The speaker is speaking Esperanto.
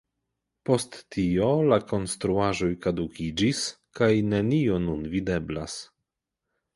Post tio la konstruaĵoj kadukiĝis, kaj nenio nun videblas.